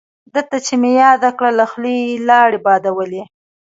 دته مې چې یاده کړه له خولې یې لاړې بادولې.